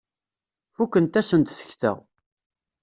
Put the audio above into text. Fukent-asent tekta.